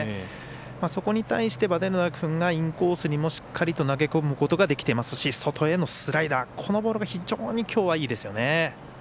そこに対して、ヴァデルナ君がインコースにもしっかりと投げ込むことができていますし外へのスライダーこのボールが非常にきょうは、いいですよね。